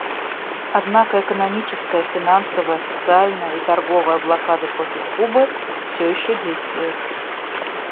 Однако экономическая, финансовая, социальная и торговая блокада против Кубы все еще действует.